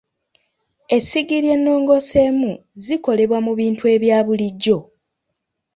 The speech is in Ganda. Essigiri enongooseemu zikolebwa mu bintu ebya bulijjo.